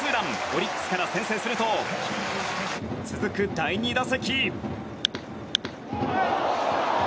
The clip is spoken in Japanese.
オリックスから先制すると続く第２打席。